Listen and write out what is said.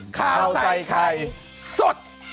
ข้าวใส่ไข่สด